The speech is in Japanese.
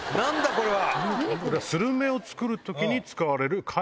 これは。